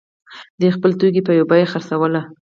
دوی خپل توکي په یوه بیه خرڅول.